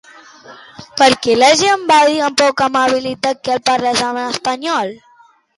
Per què l'agent va dir amb poca amabilitat que el parlés en espanyol?